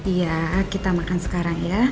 iya kita makan sekarang ya